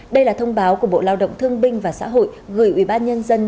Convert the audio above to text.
đây là thông báo của bộ lao động thương binh và xã hội gửi ủy ban nhân dân